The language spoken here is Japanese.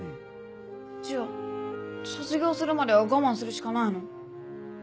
じゃあ卒業するまでは我慢するしかないの？